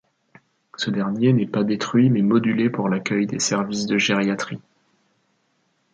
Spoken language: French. Ce dernier n'est pas détruit mais modulé pour l'accueil des services de gériatrie.